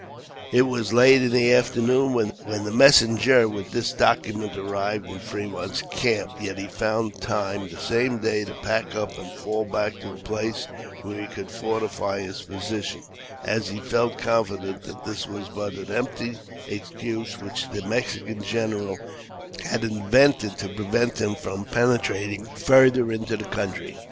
It was late in the afternoon when the messenger with this document arrived in Fremont's camp; yet, he found time the same day to pack up and fall back to a place where he could fortify his position, as he felt confident that this was but an empty excuse which the Mexican general had invented to prevent him from penetrating further into the country.